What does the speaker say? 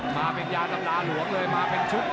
มาเป็นยาตำราหลวงเลยมาเป็นชุด